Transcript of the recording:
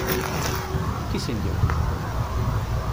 Kissing You